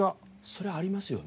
それありますよね。